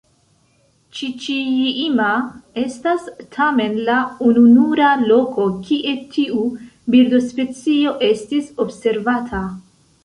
Ĉiĉi-jima estas tamen la ununura loko kie tiu birdospecio estis observata.